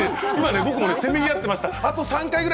僕もせめぎ合っていました。